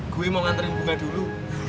gue mau nganterin bunga dulu